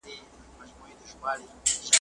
خره هم ورکړې څو لغتي په سینه کي `